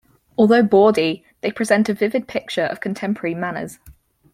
Although bawdy, they present a vivid picture of contemporary manners.